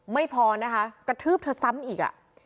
ไม่พอนะคะกระทืบเธอซ้ำอีกอ่ะ